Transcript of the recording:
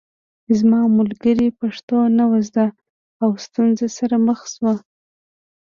زما ملګري پښتو نه وه زده او ستونزو سره مخ شو